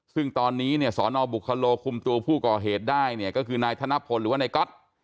ซึ่งตอนนี้สอนบุคลคลคลูงคุมตัวผู้ก่อเหตุได้ก็คือนายทานพลหรือเกาะ